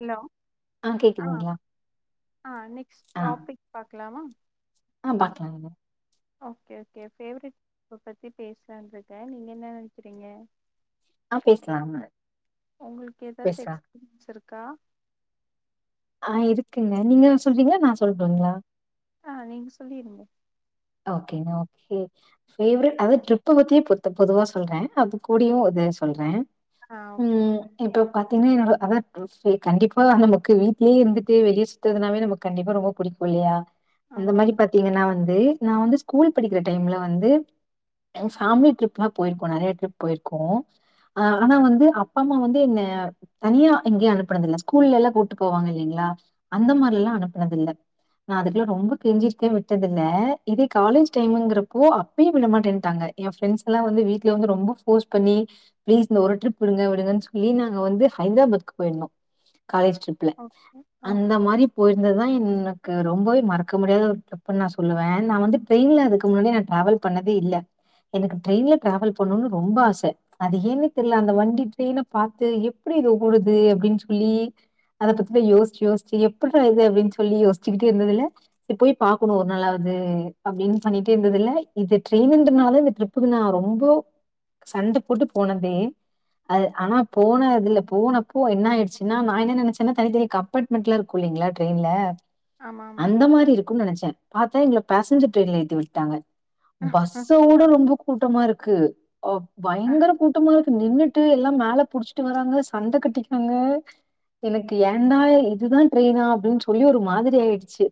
Hello ஆ ஆ next topic பாக்கலாமா ஆஹ் பாக்கலாங்க ஓகே ஓகே பேவரட் ஃபுட் பத்தி பேசலான்னு இருக்கே நீங்க என்ன நெனைக்கிறீங்க ஆ பேசலாங்க உங்களுக்கு ஏதாச்சும் பேசலாம். எக்ஸ்பீரியன்ஸ் இருக் அக்கா ஆஹ் இருக்குங்க நீங்க சொல்றீங்களா நா சொல்டுங்களா ஆஹ் நீங்க சொல்லிருங்க ஓகேங்க ஃபேவரிட் அதாவது ட்ரிப் பத்தியே பொத்தம் பொதுவா சொல்றே அது கூடியும் இது சொல்றே ஆஹ் ஓகே பாத்தீங்கன்னா என்னோட அதா [unintelligible] கண்டிப்பா நமக்கு வீட்லேயே இருந்துட்டு வெளியே சுட்த்துனாவே நமக்கு கண்டிப்பா ரொம்ப புடிக்கு இல்லையா அந்த ஆமா மாதிரி ஆமா பாத்தீங்கன்னா வந் ந்து நா வந்து ஸ்கூல் படிக்கிற டைம்ல வந்து ஃபேமிலி ட்ரிப்லா போயிருக்கோ நெறைய ட்ரிப் போயிருக்கோ ஆஹ் ஆனா வந்து அப் பா அம்மா வந்து என்ன தனியா எங்கேயே அனுப்புனதில்ல ஸ்கூல்ல எல்லா கூப்ட்டு போவாங்க இல்லலைங்களா அந்த மாரி எல்லா அனுப்புனது இல்ல நா அதுக்கெல்லா ரொம்ப கெஞ்சிருக்கே விட்டதில்ல இதே காலேஜ் டைம்ங்கிறப்போ அப்பயே விட மாட்டேன்ட்டாங்க என் ரெண்ட்ஸ் எல்லா வந்து வீட்ல வந்து ரொம்ப ஃபோர்ஸ் பண்ணி பிளீஸ் இந்த ஒரு ட்ரிப் விடுங்க விடுங்கன்னு சொல்லி நாங்க வந்து ஹைதராபாத்கு போயிருந்தோ காலேஜ் ட்ரிப்ல ஓகே அந்த ஓகே மாரி போயிட் இந்ததுதா எனக்கு ரொம்பவே மறக்க முடியாத ஒரு டிரிப்ன்னு நா சொல்லுவே நா வந்து டிரெயின்ல அதுக்கு முன்னாடி நா டிராவல் பண்ணதே இல்ல எனக்கு ட்ரெயின்ல டிராவல் பண்ணுன்னு ரொம்ப ஆச அது ஏன்னே தெரில அந்த வண்டி ட்ரெய்ன பாத்து எப்டி இது ஓடுது அப்டின்னு சொல்லி அத பத்தி யோசிச்சு யோசிச்சு எப்புட்றா இது அப்டின்னு சொல்லி யோச்சுக்கிட்டே இருந்ததுல போய் பாக்கணு ஒரு நாளாவ் து அப்டின்னு பண்ணிட்டே இருந்ததுல இது ட்ரெயினன்றனால இந்த ட்ரிப்புக்கு நா ரொம்பொ சண்ட போட்டு போனதே அது ஆனா போன அதுல போனப்போ என்ன ஆயிடுச்சுன்னா நா என்ன நெனைசசேன்னா தனித் தனிக்கு அப்பாட்மெண்ட்லா இருக்கு இல்லைங்களா ட்ரெயின்ல ஆமா ஆமா அந்த மாரி இருக்கும்னு நெனச்சே தா எங்கள பேசஞ்சர் ட்ரெயின்ல ஏத்தி விட்டாங்க பஸ்ஸவுட ரொம்ப கூட்டமா இருக் க்கு ஒ ஆ பயங்கர கூட்டமா இரு நின்னுட்டு எல்லா மேல புடிச்சிட்டு வராங்க சண்ட கட்டிக்றாங்க எனக்கு ஏடா இதுதா டரெயினா அப்டினு சொல்லி ஒரு மாதிரி ஆயிடுச்சு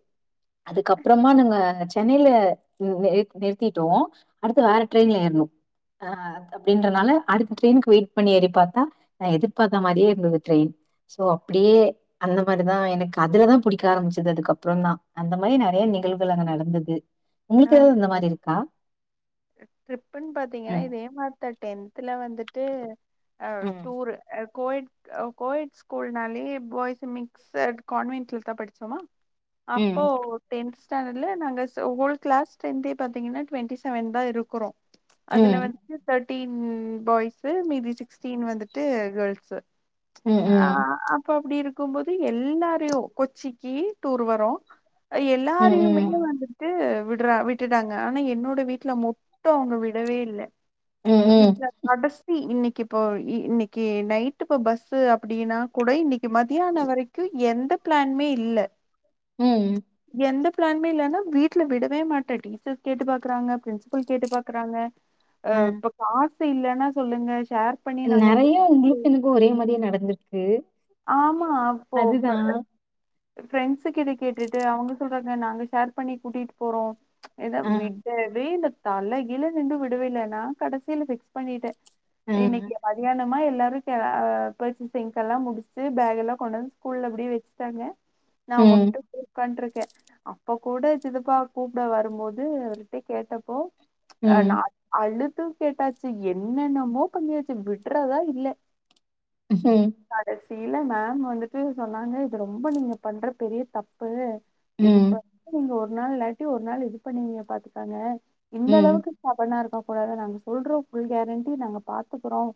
அதுக்கப்புறமா நாங்க ஆ சென்னையில ஏ நிறுத்திட்டோ அடுத்து வேற டரெின்ல ஏறணு ஆ அப்டின்றனால அடுத்த ட்ரெயின்க்கு வெயிட் பண்ண ஏறி பாத்தா எதிர்பாத்த மாரியே இருந்தது ட்ரெயின் சோ அப்டியே அந்த மாதிரிதா எனக்கு அதுலதா புடிக்க ஆரம்பிச்சது அதுக்கப்றோ தா அந்த மாரி நெறைய நிகழ்வு போல அங்க நடந்தது ஆஹ் மாரி இருக்கா? ட்ரிப்புன்னு பாத்தீங்க ம். இதே மாத்தா டென்தல வந்துட்டு ஆ ம். டூரு ஆ கோயட் அ கோயட் ஸ்கூல்னாலயே பாய்ஸ் மிக்சட் கான்வென்ட்ல தா படிச்சோமா அப்போ ம் டென்ஸ் ஸ்டான்டட்ல நாங்க சு ஒல் கிளாஸ் ஸ்ட்ரெந்தே பாத்தீங்கன்னா டுவெண்டி செவன் தா இருக்குறோ அதுல ம் வந்துட்டு தட் டின் பாய்ஸூ மீதி சிக்ஸ்டீன் வந்துட்டு கேர்ள்ஸு ம் ம் ஆஹ் அப்ப அப்டி இருக்கும்போது எல்லாரையு கொச்சிக்கு டூர் வரோ ம் எல்லாரையுமே வந்துட்டு ட்ரா விட்டுட்டாங்க ஆனா என்னோட வீட்ல மட்டு அவங்க விடவே இல்ல ம் ம் ம் வீட்ல கடசி இன்னிக் இப்போ இ இன்னிக்கு நைட் இப்ப பஸ்ஸு அப்டினா கூட இன்னிக்கு மத்யான வரைக்கு எந்த பிளான்மே இல்ல உம் எந்த பிளான்மே இல்லன்னா வீட்ல விட வே மாட்டேன் டீச்சர் கேட்டு பாக்கறாங்க பிரின்சிபல் கேட்டு பாக்றாங்க ஆ அஹ் இப்ப பா இல்லன்னா சொல்லுங்க ஷேர் பண்ணி நாங்க நெறைய போட்டு உங்களுக்கும் எனக்கும் ஒரே மாதிரே நடந்திருக்கு அதுதான் ஃரெண்ட்ஸுக்கு இத கேட்டுட்டு அவங்க சொல்றாங்க நாங்க ஷேர் பண்ணி கூட்டிட்டு போறோம் எதா ஆ விடவே இல தலைகில நின்னு விடவே இல்ல நான் கடைசியில ஃபிக்ஸ் பண்ணிட்டேன் ஆ இன்னைக்கு ம் மதியானொ ம்மா எல்லாரும் க பர்ச்சேசிங் எல்லாம் முடிச்சு பேக் எல்லாம் கொண்டு வந்து ஸ்கூல்ல அப்படியே வெச்சுட்டாங்க நான் ம் மொட்டக் உக்காண்ட்ரு அப்ப கூட சித்தபா கூப்பிட வரும்போது அவர்கிட்ட கேட்டப்போ அஹ் நா ம் அழு கேட்டாச்சு என்னென்னமோ பண்ணியாச்சு விடுறதா இல்ல ஹ்உம் இல்ல மேம் வந்துட்டு சொன்னாங்க இது ரொம்ப நீங்க பண்ற பெரிய தப்பு இதுக்கு ம் ஃபர்ஸ்ட் நீங்க ஒரு ன [unintelligible] கடைசி ஒரு நாள் இது பண்ணி பாத்துக்காங்க இந்த ம் அளவுக்கு சப்பன நோ கூட நாங்க சொல்றோம் ஃபுல் கேரண்டி நாங்க பாத்துக்குறோம்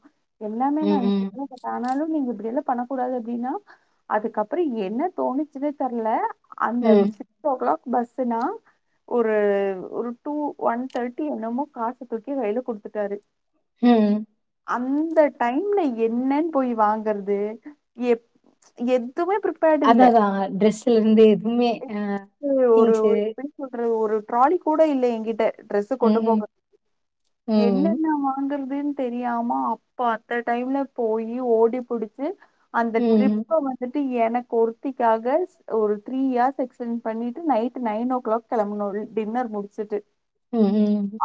எல்லாமே நா ம் [unintelligible] ஆனாலும் நீங்க அப்படியெல்லாம் பண்ணக்கூடாது அப்படின்னா அதுக்கப்புறம் என்ன தோணிச்சுதே தெர்ல அந்த ம் ஒரு சிக்ஸ் ஓ கிளாக் பஸ் ந ஒரு ஒரு டூ ஒன் தேர்ட்டி என்னமோ காச தூக்கி வயில குடுத்துட்டாரு ஹும் அந்த டைம்ல என்னன்னு போய் வாங்கறது எப் எ அதான் தான் ட்ரெஸ்ல இருந்து எதுவுமே அஹ் ஒரு திங்ஸ் எப்டி சொல்றது ஒரு ட்ராலி கூட இல்ல என்கிட்ட ட்ரெஸ் ம் கொண்டு ம் போக ம் என்னன்ன வாங்கறது என்னன்னு தெரியாம அப்ப அத்த டைம்ல போயி ஓடிபிடிச்சு அந்த ம் ட்ரிப் வந்துட்டு என் என் ஒருருத்திக்காக ஒரு த்ரீ ஹார்ஸ் எக்ஸ்டென்ட் பண்ணிட்டு நைட்டு நைன் ஓ கிளாக் கெளம்புனு டின்னர் முடிச்சுட்டு உஹம்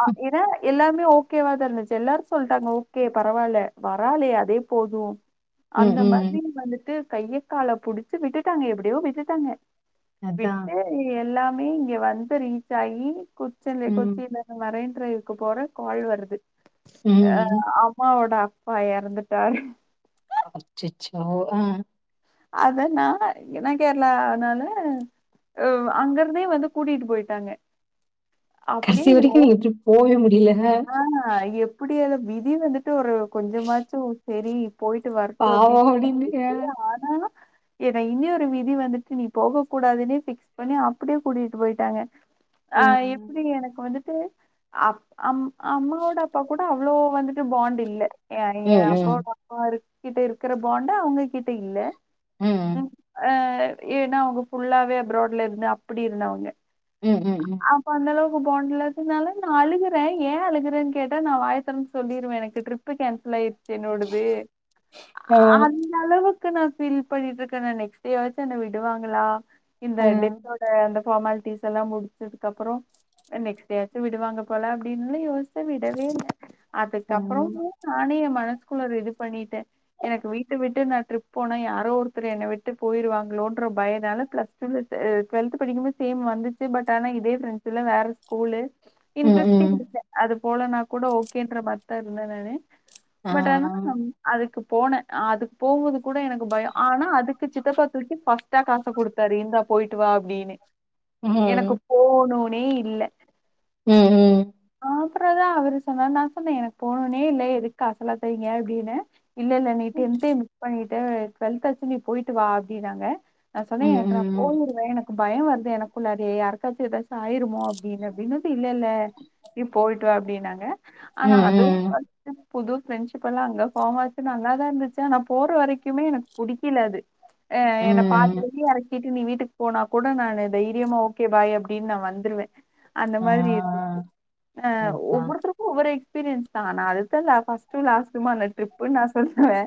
அ ஏன்னா எல்லாமே ஓகேவா த இருந்துச்சு எல்லாரு சொல்லிட்டாங்க ஓகே பரவாயில்ல வரலே அதே போது ம் அந்த மாதிரி ம் வந்துட்டு கையைக்கால புடிச்சு விட்டுட்டாங்க எப்டியோ விட்டுட்டாங்க அதான் விட்டு எல்லா மே இங்க வந் ந்த ரீச் ஆயி கு செல்ல ம் கொச்சில்ல இருந்து வரே [unintelligible] போற கால் வருது அஹ் ம் அம்மாவோட அ ப்பா எறந்துட்டார் அச்சச்சோ அஹா அதனால என்ன கேரளனால அஹ் அங்கிருந்தே வந்து கூட்டிட்டு போயிட்டாங்க அப்படியே கடைசி வரைக்கு நீங்க ட்ரிப் போவே முடில அஹ ஏல விதி வந்துட் ஒரு கொஞ்சமாச்சு வுட்டு சேரி இப் போயிட்டு வரட்டு அப்டின்னு பாவம் ஆ சொல்லிட்டு ஆனா ஏத இன்னொரு விதி வந்துட்டு நீ போக கூடாதுன்னே ஃப்க்ஸ் பண்ணி அப்டியே கூட்டிட்டு போயிட்டாங்க ஆஹ் ஆ எப்டி எனக்கு வந்து து அப் அம் அம்மாவோட அப்பா கூட அவ்வளோ வந்துட்டு பாண்ட் இல்ல ஏ ம், அய்யா ம். அப்பாவோட அப்பாரு கிட்ட இருக்கிற ஃபாண்டு அவங்க கிட்ட இல்ல ம் ம் ஆஹ் ஏன்னா அவங்க ஃபுல்லாவே அப்ரோட்ல இருந்து அப்புடி இருந்தவங்க ம் ம் ம் போண்டலதுனால நா அழுகற ன் ஏ அழுகுறேன் கேட்டா நா வாயத்தொறந்து சொல்லிருவே எனக்கு ட்ரிப்பு கேன்சல் ஆயி என்னோடுது ஆ, அ [unintelligible] க்கு நா பீல் பண்ணிட்டு இருக்கே நா நெக்ஸ்ட்டே ஆச்சோ என்ன விடுவாங்களா இந்த ஆ, டெத்தோட அந்த பார்மாலிட்டிஸ் எல்லா முடிச்சது கப்பறோ நெக்ஸ்ட் டேயாச்சோ விடுவாங்க போல அப்டின்னுலா யோசி விடவே இல்ல ஆ. அதுக்கப்பறமு நானே என் மன நா ஸ்கூல ரெடி பண்ணிட்டே எனக்கு வீட்ட விட்டு நா ட்ரிப் போனா யாரோ ஒருத்தர் என்ன விட்டு போயிருவாங்களோன்ற பயனால பிளஸ் டூல அ டுவெல்த் படிக்கும்போ சேம் வந்துச்சு பட் ஆனா இதே ஃப்ரெண்ட்ஸ் இல்ல வேற ஸ்கூலு ம், இன்ட்ரெஸ்டிங் ம். இல்ல அதுப் போல நா கூட ஓகேன்ற மாரி தா இருந்தே நானு ஆ. பட் ஆனா ம் அதுக்குப் போனே ஆஹ் அதுக்கு போம்போது கூட எனக்கு பய ஆனா அதுக்கு சித்தப்பா துக்கி ஃபஸ்ட்டா காச குடுத்தாரு இந்தா போயிட்டு வா அப்டின்னு எனக்கு ம். போணு மே இல்ல உம் உம் அப்றோ தா அவரு சொன்னாரு நா சொன்னே எனக்கு போணுனே இல்ல எதுக்கு ஆசலா தெய்ங்க அப்டின்னு இல்ல இல்ல நீ டன்தே மிஸ் பண்ணிட் ட டுவெல்த்தாச்சு நீ போயிட்டு வா அப்டினாங்க நா சொன்னே ம், எனக்கு நா ம். போயிருவே எனக்கு பய வருது எனக்குள்ள அது யாருக்காச்சு எதாச்சு ஆயிருமோ அப்டின்னு அப்டின்னு இல்ல இல்ல நீ போயிட் டு வா அப்டினாங்க ம், ஆனா அதே ம். பயம் புது ஃப்ரெண்ட்ஷிப்பெல்லா அங்க பாமாருக்கு நல்லாதா இருந்துச்சு ஆனா போற வரைக்குமே எனக்கு புடிக்கில அது ஆஹ் என்ன பாதி ம். வழி எறக்கிட்டு நீ வீட்டுக்கு போனா கூட நானு தைரியமா ஓகே பாய் அப்டின் நா வந்துருவே ஆ. மாதிரி இருந்துச்சு ஆஹ் அதுதான். ஒவ்வொருத்தருக்கு ஒவ்வொரு எக் ஸ்பீரியன்ஸ் தா நா அதுக்தா லா ஃபஸ்ட்டு லாஸ்டுமான ட்ரிப்புன் நா சொல்றே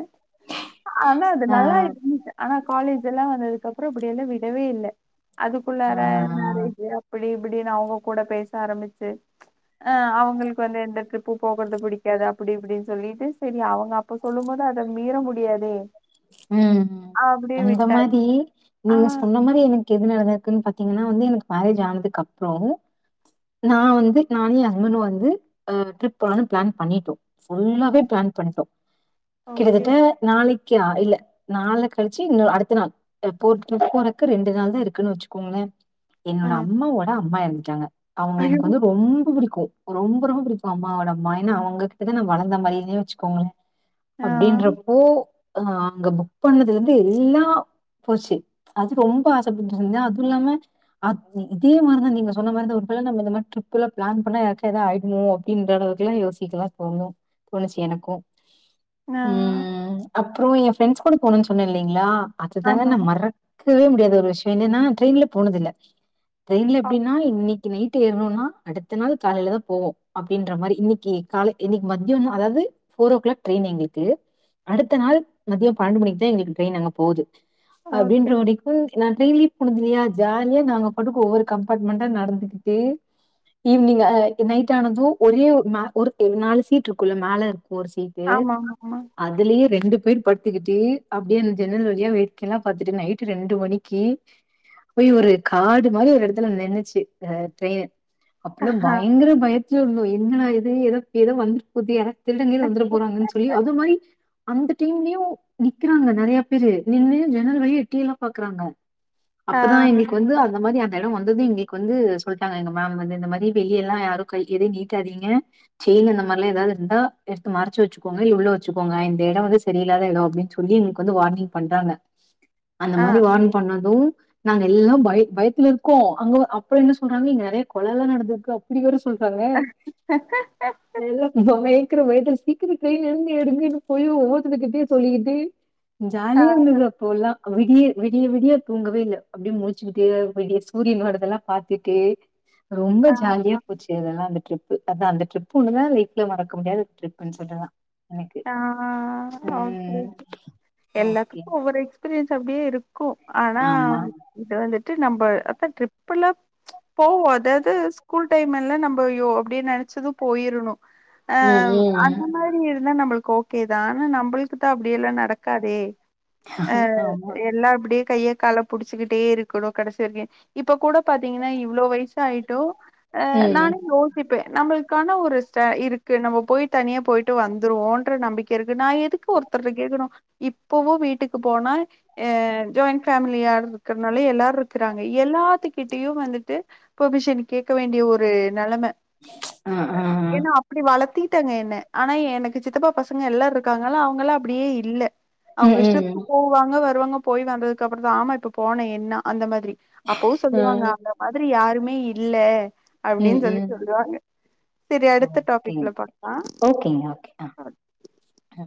ஆனா அது ஆ, நல்லா இருந்ச்சு ஆனா காலேஜ் எல்லா வந்ததுக்கப்ற விடறனு விடவே இல்ல ஆ. அதுக்குள்ளார மேரேஜு அப்பிடின் அப்டின் அவ்ங்க கூட பேச தாரம்மிச்சு அஹ் அவ்ங்களுக்கு வந்து இந்த ட்ரிப்பு போகற்து பிடிக்காது அப்டி இப்டின் சொல்லிட்டு செரி அவங்க அப்டி சொல்லும் போது அத மீற முடியாது உம் உம் அந்த மாரி ஆ நீங்க சொன்ன மாரி எனக் கெதுமே எனக்குன் பாத்தீங்கனா வந்து எனக்கு மேரேஜ் ஆனதுக்கு அப்றோ நா வந்து நானு எ ஹஸ்பண்டு வந்து அஹ் ட்ரிப் போலனு பிளான் பண்ணிட்டோ ஃபுல்லாவே பிளான் பண்ணிட்டோ ஓகே கிட்டத்தட்ட நாளைக் கியா இல்ல நாளக்கழிச்சு இனி அடுத்த நாள் அ போற்த்துக்கு போறக்கு ரெண்டு நாள் தா இருக்குன் வச்சுக்கோங்ளே என்னோட ம் அம்மாவோட அம்மா எறந்துட் டாங்க அவ்ங்க ஐயோ எனக்கு வந்து ரொம்ப புடிக் க்கு ரொம்ப ரொம்ப புடிக்கு அம்மாவோட அம்மா ஏனா அவ்ங்ககிட்டதா நா வளர்ந்த மடியிலே வச்சுக்கோங்ளே ஆ அப்டின்றப்போ அஹ் அங்க புக் பண்ணதுலருந்து எல்லா போச்சு அது ரொம்ப ஆசப்பட்டுட்ருந்தே அது இல்லாம அத் இ இதே மாரி தா நீங்க சொன்ன மாரி தா ஒரு டயம் நம்ம இந்த மாரி ட்ரிப் எல்லா பிளான் பண்ணா யாருக்கா எதா ஆயிடுமோ அப்படின்ற அளவுக்கு எல்லா யோசிக்கல்லா தோணு தோணுச்சு எனக்கு ஆ உம் அப்பறோ என் ஃப்ரெண்ட்ஸ் கூட போனுன் சொன்ன இல்லீங்களா அதுதாங்க ஆமா நா மறக் கவே முடியாத ஒரு விஷ்யோ என்னனா டிரெய்ன்ல போனதில்ல ட்ரெய்ன்ல ஆமா எப்படினா இன்னைக்கு நைட் டு ஏறுனோனா அடுத்த நாள் காலைல தா போவோ அப்டின்ற மாரி இன்னிக்கு காலை இன்னிக்கு மத்யானோ அதாவ்து ஃபோரோ கிளாக் ட்ரெய்ன் எங்ளுக்கு அடுத் த்த நாள் மதியோ பன்னெண்டு மணிக் தா எங்ளுக்கு ட்ரெயின் அங்க போது ஓகே அப்படின்ற வரைக்கு நா ட்ரெய்ன்லே போனதில்லையா ஜாலியா நாங்க பாட்டுக்கு ஒவ்வொரு கம்பார்ட்மெண்டா நடந்துகிட்டு ஈவ்னிங் அ நைட் ஆனது ஒரே ஒரு மே ஒரு [unintelligible] நாலு சீட்ருக்குல்ல மேல ஃபோர் சீட்டு ஆமா ஆமா ஆமா அதுலயே ரெண்டு பேர் படுத்துக்கிட்டு அப்டியே அந்த ஜன்னல் வழியா வேடிக்கைல்லா பாத்துட்டு நைட்டு ரெண்டு மணிக்கு போய் ஒரு காடு மாரி ஒரு எடத்துல நின்னுச்சு ஆஹ் ட்ரெயினு அப்பல்லா பயங்கர பயத்துலருந்தோ எங்கடா எது ஏதோ ஏதோ வந்துட்டு போதே யாரா திருடங்கீது வந்துட போறாங்கன் சொல்லி அது மாரி அந்த டைம்லயு நிக்கறாங்க நெறைய பேரு நின்னு ஜன்னல் வழியா எட்டியெல்லா பாக்கறாங்க ஆ அப்ப தா இன்னிக்கு வந்து அந்த மாரி [unintelligible] அந்த எடோ வந்தது எங்களுக்கு வந்து சொல்ட்டாங்க எங்க மேம் வந்து இந்த மாரி வெளிய எல்லா யாரு கை எது நீட்டாதீங்க செயின் அந்த மாரில்லா எதாவ்து இருந்தா எடுத்து மறச்சு வச்சுக்கோங்க உள்ள வச்சுக்கோங்க [unintelligible] இந்த எடோ வந்து சரியில்லாத எடோ அப்டின் சொல்லி எங்களுக்கு வந்து வார்னிங் பண்றாங்க அந்த ஆ மாரி வார்னிங் பண்ணது நாங்க எல்லா பய பயத்துலருக்கோ அங்க அப்ப என்ன சொல்றாங்க இங்க நெறைய கொலல்லா நடந்திருக்கு அப்படி வேற ஸ் சொல்றாங்க எல்லா [unintelligible] க்கற பயத்துல சீக்கிரோ ட்ரெய்ன எடுங்க [unintelligible] போயி ஒவ்வொருத்தங்க கிட்டயு சொல்லிக்கிர்து ஆ ஜாலியா இருந்தது அப்போ எல்லா விடிய விடிய விடிய தூங்கவே இல்ல அப்டியே முழிச்சுக்கிட்டு விடிய சூரியனோடதெல்லா பாத்துட்டு ரொம்ப ஆ ஜாலியா போச்சு அதெல்லா அந்த ட்ரிப் அதா அந்த ட்ரிப் ஒன்னு தா லைஃப்லே மறக்க முடியாத ட்ரிப்புன் சொல்லலா எனக்கு ஆஹ் ஆ, ம் [unintelligible] ஓகே எல்லாத்துக்கு ஒவ்வொரு எக்ஸ்பீரி யன்ஸ் அப்டியே இரு கு ஆனா ஆமா இது வந்துட் டு நம்ப அக்கா ட்ரிப் எல்லா போவோ அதாவ்து ஸ்கூல் டைம் எல்லா நம்ப யோ அப்டியே நெனைச்சது போயிரணு ம் அஹ் ம் அந்த மாதிரி நம்மளுக்கு ஓகேதான் ஆனா நம்மளுக்குத்தான் அப்படிய எல்லாம் நடக்காதே அஹ் ஆமா எல்லாம் அப்டியே கைய கால புடிச்சுக்கிட்டே இருக்கணும் கடைசி வரைக்கும் இப்ப கூட பாத்தீங்கன்னா இவ்ளோ வயசு ஆயிட்டும் அஹ் ம் நானே யோசிப்பேன் நம்மளுக்கான ஒரு ஸ இருக்கு நம்ம போய் தனியா போயிட்டு வந்து வந்துருவோன்ற நம்பிக்கை இருக்கு நான் எதுக்கு ஒருத்தர் கேக்ணும் இப்பவும் வீட்டுக்கு போனா ஜாயின்ட் ஃபமிலியா இருக்கறனால எல்லாரும் இருக்கறாங்க எல்லாத்துக்கிட்டயும் வந்துட்டு பெமிஷன் கேட்க வேண்டிய ஒரு நெலம ஆஹ் ஆஹ்ஹ ட்டாங்க என்ன ஆனா எனக்கு சித்தப்பா பசங்க எல்லாம் இருக்காங்களா அவங்களாம் அப்படியே இல்ல அவங்க ம் ம் இஷ்டத்துக்கு போவாங்க வருவாங்க போய் வந்ததுக்கு அப்புறம் தான் ஆமா இப்ப போன என்ன அந்த மாதிரி அப்பவும் ஆ சொல்லுவாங்க அந்த மாதிரி யாருமே இல் இல்ல ம் அப்படின்னு சொல்லி ம் சொல்லுவாங்க செரி அடுத்த டாபிக்ல பாக்கலாம் ஹ்